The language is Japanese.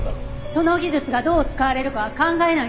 その技術がどう使われるかは考えないんですか？